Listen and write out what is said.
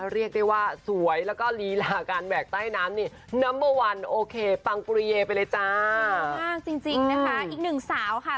เรียกได้ว่าสวยแล้วก็ลีลาการแบกใต้น้ำนี่นัมเบอร์วันโอเคปังปุริเยไปเลยจ้ามากจริงจริงนะคะอีกหนึ่งสาวค่ะ